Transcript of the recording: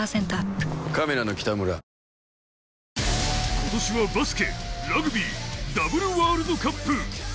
今年はバスケラグビー、ダブルワールドカップ。